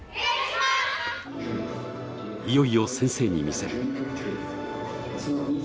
いよいよ先生に見せる。